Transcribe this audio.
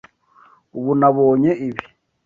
Ubu nabonye ibi.